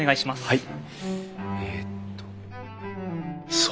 はい。